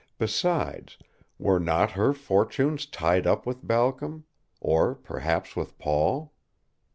Besides, were not her fortunes tied up with Balcom or perhaps with Paul?